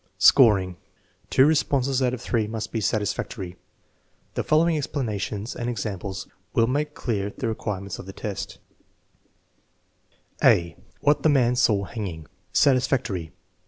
Scoring. Two responses out of three must be satisfactory. The following explanations and examples will make clear the requirements of the test: (a) What the man saw hanging Satisfactory.